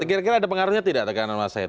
kira kira ada pengaruhnya tidak tekanan masa itu